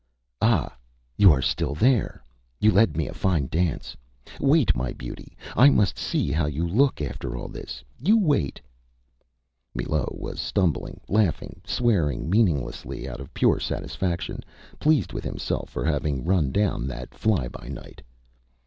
Â ÂAh! You are still there. You led me a fine dance. Wait, my beauty, I must see how you look after all this. You wait. .. .Â Millot was stumbling, laughing, swearing meaninglessly out of pure satisfaction, pleased with himself for having run down that fly by night.